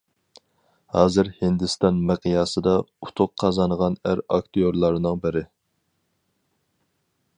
ھازىر ھىندىستان مىقياسىدا ئۇتۇق قازانغان ئەر ئاكتىيورلارنىڭ بىرى.